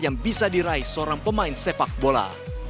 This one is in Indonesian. yang bisa diraih seorang pemain sepak bola